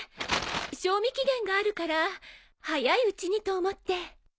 賞味期限があるから早いうちにと思って。